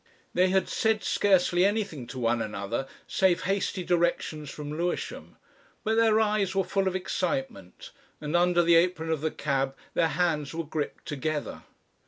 They had said scarcely anything to one another, save hasty directions from Lewisham, but their eyes were full of excitement, and under the apron of the cab their hands were gripped together.